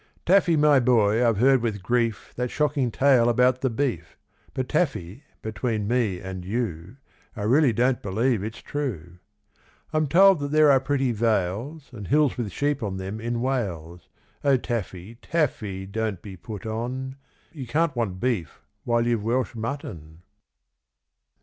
Taffy, my boy, I've heard with grief That shocking tale about the beef; But Taffy, between me and you, I really don't believe it's true. I'm told that there are pretty vales And hills with sheep on them in Wales; O Taffy, Taffy, don't be put on, You can't want beef while you've Welsh mutton.